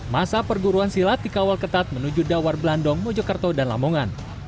masa perguruan silat dikawal ketat menuju dawar blandong mojokerto dan lamongan